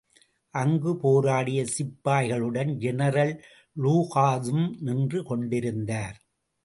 அங்கு போராடிய சிப்பாய்களுடன் ஜெனரல் லூகாஸும் நின்று கொண்டிருந்தார்.